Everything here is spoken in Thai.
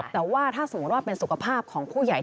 แต่ว่าถ้าสมมุติว่าเป็นสุขภาพของผู้ใหญ่